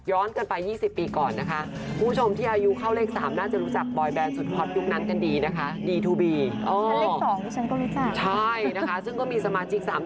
ย้อนเกินไป๒๐ปีก่อนนะคะ